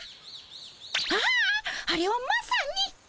あああれはまさに。